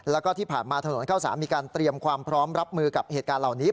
แล้วก็ที่ผ่านมาถนนเข้าสารมีการเตรียมความพร้อมรับมือกับเหตุการณ์เหล่านี้